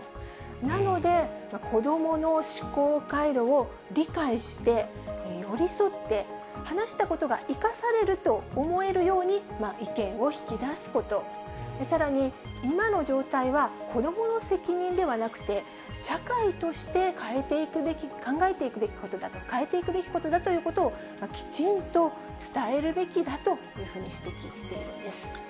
なので、子どもの思考回路を理解して、寄り添って、話したことが生かされると思えるように、意見を引き出すこと、さらに、今の状態は子どもの責任ではなくて、社会として考えていくべきことだと、変えていくべきことだということを、きちんと伝えるべきだというふうに指摘しているんです。